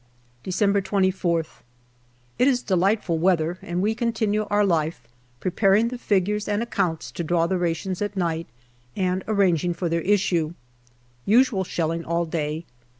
December 24>th. It is delightful weather and we continue our life, preparing the figures and accounts to draw the rations at night, and arranging for their issue. Usual shelling all day.